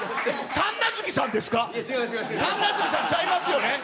神奈月さん、ちゃいますよね？